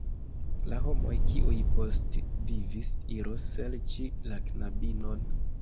La homoj kiuj postvivis iros serĉi la knabinon.